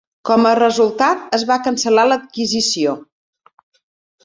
Com a resultat, es va cancel·lar l'adquisició.